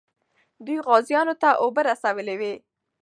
دوی غازیانو ته اوبه رسولې وې.